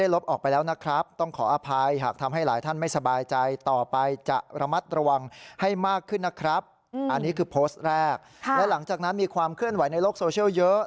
และหลังจากนั้นมีความเคลื่อนไหวในโลกโซเชียลเยอะ